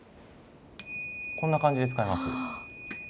こんな感じで使います。